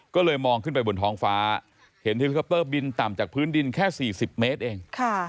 ก็เลยมองขึ้นไปบนท้องฟ้าเห็นเฮลิคอปเตอร์บินต่ำจากพื้นดินแค่๔๐เมตรเอง